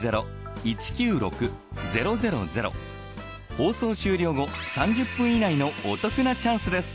放送終了後３０分以内のお得なチャンスです。